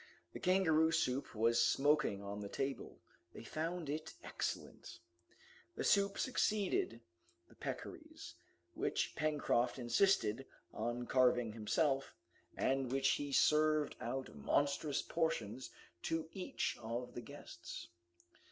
The kangaroo soup was smoking on the table. They found it excellent. To the soup succeeded the peccaries, which Pencroft insisted on carving himself, and of which he served out monstrous portions to each of the guests.